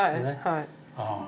はい。